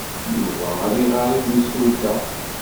Yuba ad iɣer i temsulta.